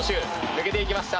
抜けていきました。